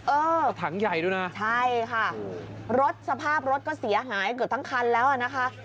เออถังใหญ่ด้วยนะใช่ค่ะรถสภาพรถก็เสียหายเกือบทั้งคันแล้วอ่ะนะคะ